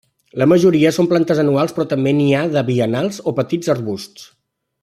La majoria són plantes anuals però també n'hi ha de biennals o petits arbusts.